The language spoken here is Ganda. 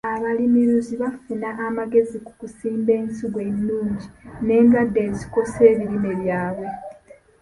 Abalimilunzi bafuna amagezi ku kusimba ensigo ennungi n'endwadde ezikosa ebirime byabwe.